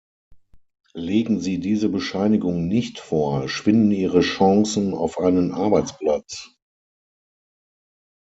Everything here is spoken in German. Legen sie diese Bescheinigung nicht vor, schwinden ihre Chancen auf einen Arbeitsplatz.